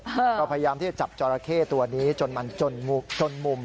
ก็พยายามที่จะจับจอราเข้ตัวนี้จนมันจนมุม